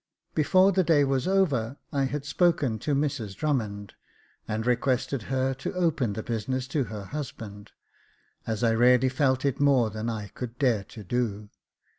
Before the day was over I had spoken to Mrs Drummond, and requested her to open the business to her husband, as I really felt it more than I could dare to do.